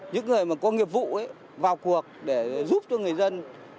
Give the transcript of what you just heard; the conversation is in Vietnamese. những người có nghiệp vụ vào cuộc để giúp cho người dân